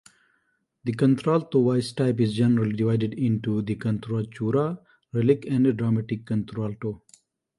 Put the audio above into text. The contralto voice type is generally divided into the coloratura, lyric, and dramatic contralto.